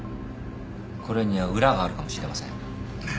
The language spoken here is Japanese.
これには裏があるかもしれません。